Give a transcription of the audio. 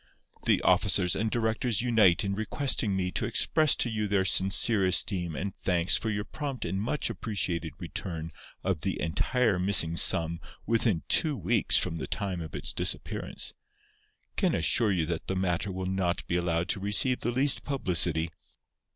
… The officers and directors unite in requesting me to express to you their sincere esteem and thanks for your prompt and much appreciated return of the entire missing sum within two weeks from the time of its disappearance. … Can assure you that the matter will not be allowed to receive the least publicity.